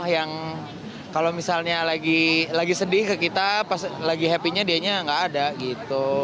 yang kalau misalnya lagi sedih ke kita pas lagi happy nya dianya nggak ada gitu